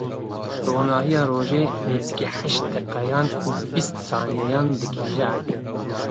Ronahiya rojê nêzîkî heşt deqeyan û bîst saniyeyan digihîje erdê.